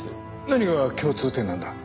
何が共通点なんだ？